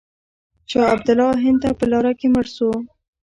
شاه عبدالله هند ته په لاره کې مړ شو.